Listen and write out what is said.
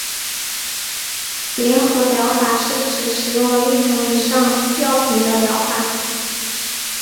联合疗法是指使用了一种以上的药品的疗法。